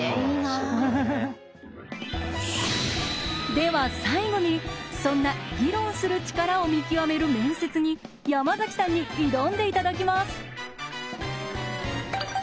では最後にそんな議論する力を見極める面接に山崎さんに挑んでいただきます。